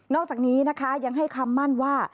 อกจากนี้นะคะยังให้คำมั่นว่า